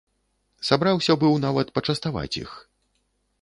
Сабраўся быў нават пачаставаць іх.